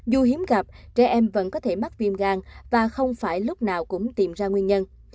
dù hiếm gặp trẻ em vẫn có thể mắc viêm gan và không phải lúc nào cũng tìm ra nguyên nhân